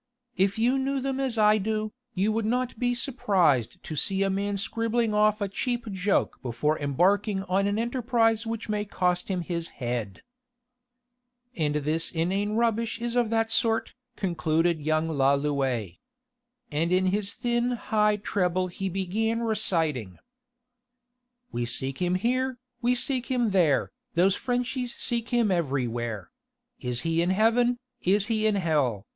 If you knew them as I do, you would not be surprised to see a man scribbling off a cheap joke before embarking on an enterprise which may cost him his head." "And this inane rubbish is of that sort," concluded young Lalouët. And in his thin high treble he began reciting: "We seek him here; We seek him there! Those Frenchies seek him everywhere. Is he in heaven? Is he in h ll?